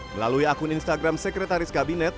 melalui akun instagram sekretaris kabinet